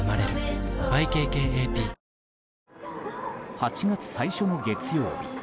８月最初の月曜日。